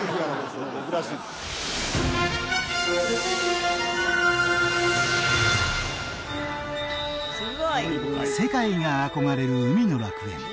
僕らしい世界が憧れる海の楽園